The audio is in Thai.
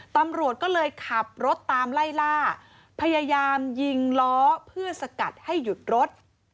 ตำรวจก็เลยขับรถตามไล่ล่าพยายามยิงล้อเพื่อสกัดให้หยุดรถ